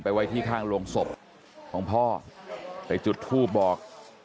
ไว้ที่ข้างโรงศพของพ่อไปจุดทูบบอก